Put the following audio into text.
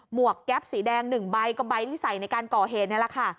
วกแก๊ปสีแดง๑ใบก็ใบที่ใส่ในการก่อเหตุนี่แหละค่ะ